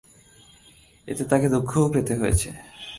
এতে তাঁকে দুঃখও পেতে হয়েছে।